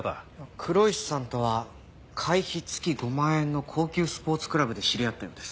黒石さんとは会費月５万円の高級スポーツクラブで知り合ったようです。